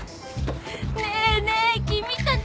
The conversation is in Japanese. ねえねえ君たち！